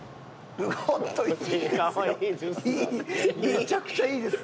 めちゃくちゃいいです。